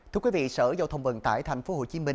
thưa quý vị sở dầu thông bình tại tp hcm